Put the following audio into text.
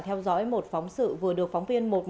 theo dõi một phóng sự vừa được phóng viên